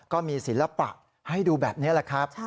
ก็มีศิลปะให้ดูแบบนี้แหละครับ